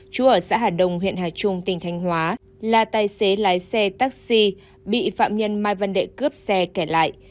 một nghìn chín trăm tám mươi hai chú ở xã hà đông huyện hà trung tỉnh thánh hóa là tài xế lái xe taxi bị phạm nhân mai vân đệ cướp xe kẻ lại